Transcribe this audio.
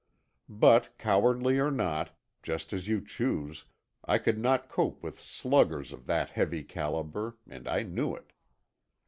But cowardly or not, just as you choose, I could not cope with sluggers of that heavy calibre, and I knew it.